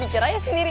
bicara aja sendiri